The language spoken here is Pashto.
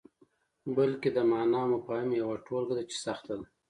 بلکې د معني او مفاهیمو یوه ټولګه ده چې سخته ده.